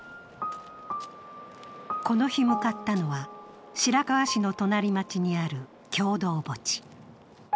この日、向かったのは白河市の隣町にある共同墓地。